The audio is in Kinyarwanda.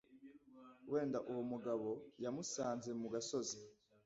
wenda uwo mugabo yamusanze mu gasozi,